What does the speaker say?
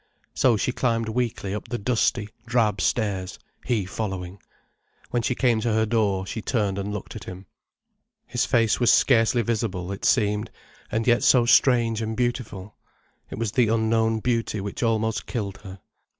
So she climbed weakly up the dusty, drab stairs, he following. When she came to her door, she turned and looked at him. His face was scarcely visible, it seemed, and yet so strange and beautiful. It was the unknown beauty which almost killed her.